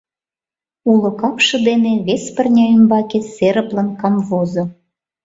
Уло капше дене вес пырня ӱмбаке серыплын камвозо.